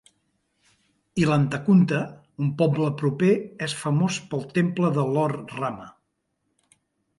Illanthakunta, un poble proper és famós pel temple de Lord Rama.